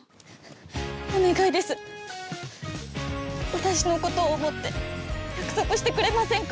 私のことを思って約束してくれませんか？